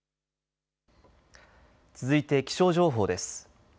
続いて気象情報です。